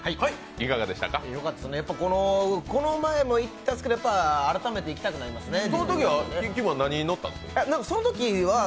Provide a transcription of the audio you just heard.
この前も行ったんですけど、また改めて行きたくなりますね。